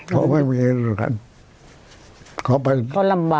เขาไม่มีเงินครับ